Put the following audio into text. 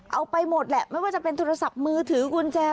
เอาไปหมดแหละไม่ว่าจะเป็นโทรศัพท์มือถือกุญแจ